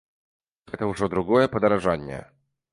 Гэта ўжо другое падаражанне.